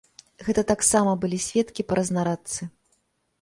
Гэта таксама былі сведкі па разнарадцы.